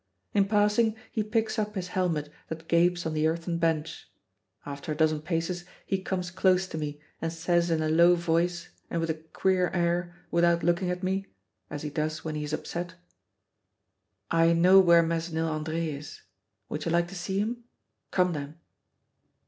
In passing he picks up his helmet that gapes on the earthen bench. After a dozen paces he comes close to me and says in a low voice and with a queer air, without looking at me as he does when he is upset "I know where Mesnil Andre is. Would you like to see him? Come, then."